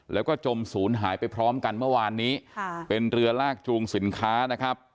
แล้วก็จมศูนย์หายไปพร้อมกันเมื่อวานนี้ค่ะเป็นเรือลากจูงสินค้านะครับ